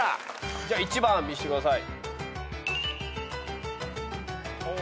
じゃあ１番見せてください。